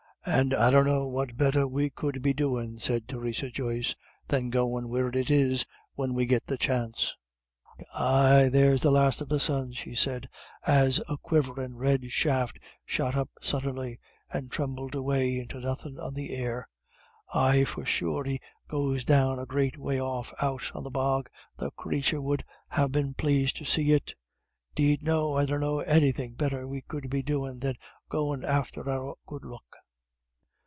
"And I dunno what better we could be doin'," said Theresa Joyce, "than goin' where it is, when we get the chance. Ah, there's the last of the sun," she said, as a quivering red shaft shot up suddenly, and trembled away into nothing on the air. "Ay, for sure, he goes down a great way off out on the bog; the crathur 'ud ha' been plased to see it. 'Deed no, I dunno anythin' better we could be doin' than goin' after our good luck."